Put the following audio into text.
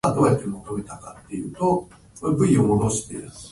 コーヒーを少し飲みたい。